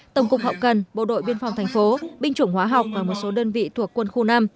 tổng cục hậu cần bộ đội biên phòng thành phố binh chủng hóa học và một số đơn vị thuộc quân khu năm